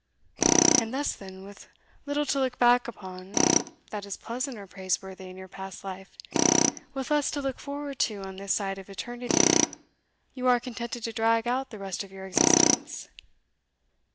"And thus, then, with little to look back upon that is pleasant or praiseworthy in your past life with less to look forward to on this side of eternity, you are contented to drag out the rest of your existence?